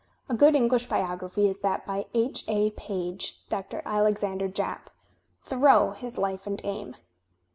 A good English biography is that by H. A. Page (Dr. Alexander Japp), "Thoreau: His Life and Aim."